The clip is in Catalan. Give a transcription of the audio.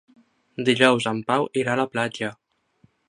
Dijous en Pau irà a la platja.